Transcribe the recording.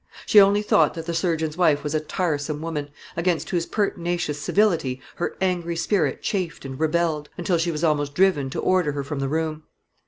She only thought that the surgeon's wife was a tiresome woman, against whose pertinacious civility her angry spirit chafed and rebelled, until she was almost driven to order her from the room.